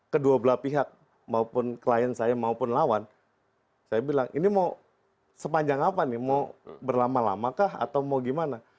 kedua belah pihak maupun klien saya maupun lawan saya bilang ini mau sepanjang apa nih mau berlama lamakah atau mau gimana